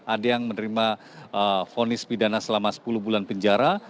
ada yang menerima fonis pidana selama sepuluh bulan penjara